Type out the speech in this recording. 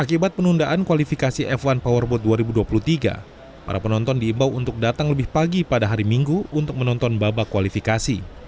akibat penundaan kualifikasi f satu powerboat dua ribu dua puluh tiga para penonton diimbau untuk datang lebih pagi pada hari minggu untuk menonton babak kualifikasi